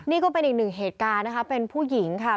นี่ก็เป็นอีกหนึ่งเหตุการณ์นะคะเป็นผู้หญิงค่ะ